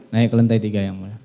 naik ke lantai tiga yang mulia